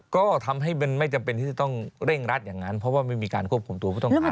ก็ทำให้มันไม่จำเป็นที่จะต้องเร่งรัดอย่างนั้นเพราะว่าไม่มีการควบคุมตัวผู้ต้องขัง